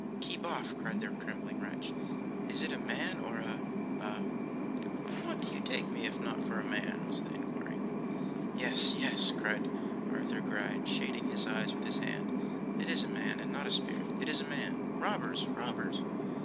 'Keep off!' cried the trembling wretch. 'Is it a man or a a ' 'For what do you take me, if not for a man?' was the inquiry. 'Yes, yes,' cried Arthur Gride, shading his eyes with his hand, 'it is a man, and not a spirit. It is a man. Robbers! robbers!